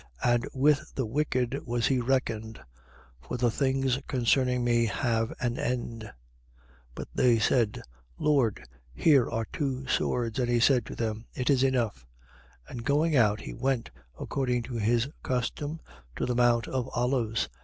And with the wicked was he reckoned. For the things concerning me have an end. 22:38. But they said: Lord, behold, here are two swords. And he said to them: It is enough. 22:39. And going out, he went, according to his custom, to the Mount of Olives.